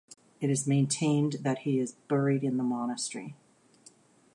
It is maintained that he is buried in the monastery.